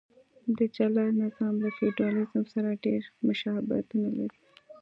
دا جلا نظام له فیوډالېزم سره ډېر مشابهتونه لرل.